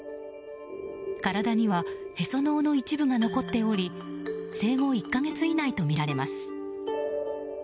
体にはへその緒の一部が残っており生後１か月以内とみられます。